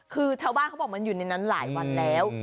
คือชาวบ้านเขาบอกมันอยู่ในนั้นหลายวันแล้ว